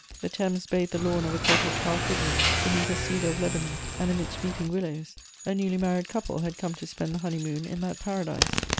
The Thames bathed the lawn of a cottage half hidden beneath a cedar of Lebanon and amidst weeping willows: a newly married couple had come to spend the honeymoon in that paradise.